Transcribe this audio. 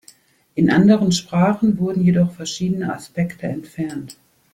In anderen Sprachen wurden jedoch verschiedene Aspekte entfernt.